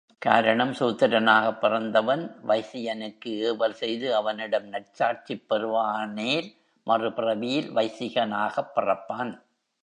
காரணம், சூத்திரனாகப் பிறந்தவன் வைசியனுக்கு ஏவல் செய்து அவனிடம் நற்சாட்சிப் பெறுவானேல், மறுபிறவியில் வைசிகனாகப் பிறப்பான்.